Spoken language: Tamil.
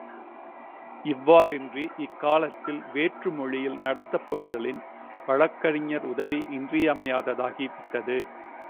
அவ்வாறின்றி இக்காலத்தில் வேற்று மொழியில் நடத்தப் படுதலின், வழக்கறிஞர் உதவி இன்றியமையாததாய் விட்டது.